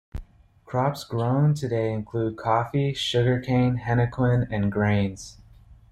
Crops grown today include coffee, sugarcane, henequen, and grains.